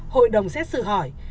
hội đồng xét xử hỏi